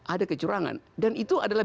ada kecurangan dan itu adalah